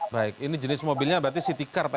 baik ini jenis mobilnya berarti city car pak